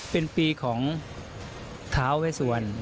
เป็นปีของท้าเวสวรรณ